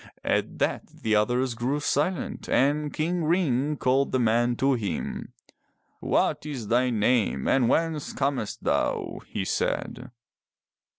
At that the others grew silent and King Ring called the man to him. "What is thy name and whence camest thou?'' he said.